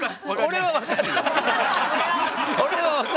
俺は分かるから。